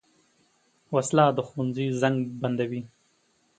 وسله د ښوونځي زنګ بندوي